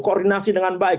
koordinasi dengan baik